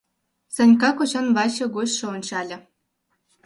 Санька кочан ваче гочшо ончале.